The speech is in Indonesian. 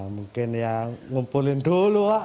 ya mungkin ya ngumpulin dulu pak